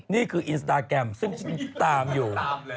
นี่คืออินสตาแกรมซึ่งตามอยู่